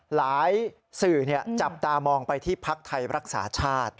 หลายสื่อจับตามองไปที่พักไทยรักษาชาติ